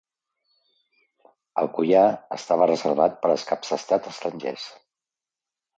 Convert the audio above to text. El Collar estava reservat per als caps d'estat estrangers.